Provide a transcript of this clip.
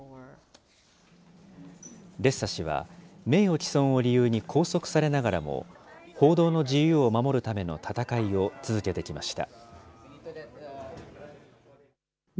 レッサ氏は名誉毀損を理由に拘束されながらも、報道の自由を守るための闘いを続けてきました。